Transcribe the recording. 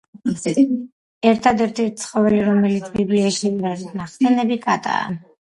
რთადერთი ცხოველი, რომელიც ბიბლიაში არ არის ნახსენები, კატაა.